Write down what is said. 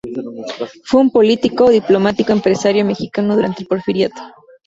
Fue un político, diplomático, empresario mexicano durante el Porfiriato.